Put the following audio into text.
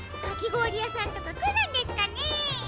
かきごおりやさんとかくるんですかね？